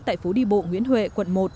tại phố đi bộ nguyễn huệ quận một